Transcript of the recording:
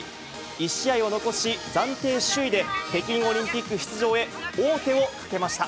１試合を残し、暫定首位で北京オリンピック出場へ王手をかけました。